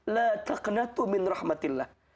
la taqnatu min rahmatillah